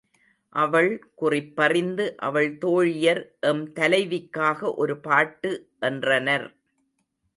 அவள் குறிப்பறிந்து அவள் தோழியர், எம் தலைவிக்காக ஒரு பாட்டு என்றனர்.